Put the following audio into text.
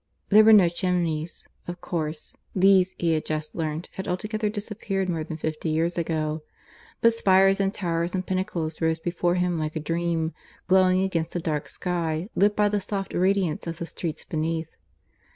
There were no chimneys, of course (these, he had just learnt, had altogether disappeared more than fifty years ago), but spires and towers and pinnacles rose before him like a dream, glowing against the dark sky, lit by the soft radiance of the streets beneath.